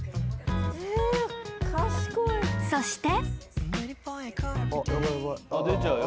［そして］